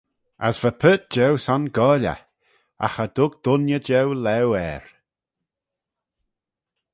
"As va paart jeu son goaill eh; agh cha dug dooinney jeu laue er."